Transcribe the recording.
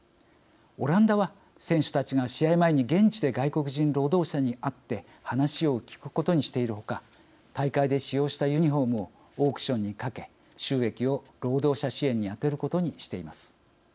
オランダは、選手たちが試合前に現地で外国人労働者に会って話を聞くことにしている他大会で使用したユニフォームをオークションにかけ収益を労働者支援に充てることにしています。